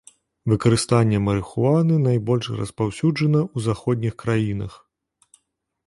Выкарыстанне марыхуаны найбольш распаўсюджана ў заходніх краінах.